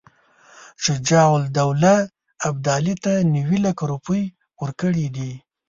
شجاع الدوله ابدالي ته نیوي لکه روپۍ ورکړي دي.